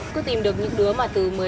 cứ tìm được những đứa mà từ